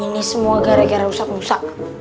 ini semua gara gara ustaz musa